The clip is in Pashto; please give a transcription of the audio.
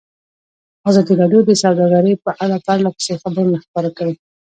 ازادي راډیو د سوداګري په اړه پرله پسې خبرونه خپاره کړي.